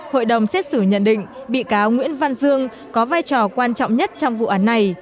hội đồng xét xử nhận định bị cáo nguyễn văn dương có vai trò quan trọng nhất trong vụ án này